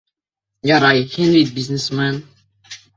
Ярай, һин бит бизнесмен.